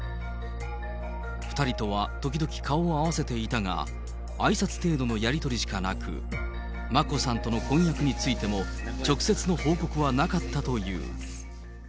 ２人とは時々顔を合わせていたが、あいさつ程度のやり取りしかなく、眞子さんとの婚約についても、直接の報告はなかったという。